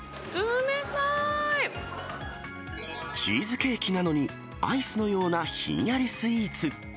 チーズケーキなのに、アイスのようなひんやりスイーツ。